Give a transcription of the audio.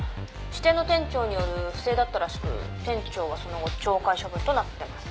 支店の店長による不正だったらしく店長はその後懲戒処分となってます。